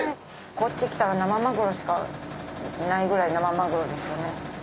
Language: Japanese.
こっち来たら生まぐろしかないぐらい生まぐろですよね。